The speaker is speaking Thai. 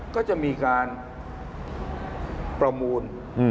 ก็จะมีการประมูล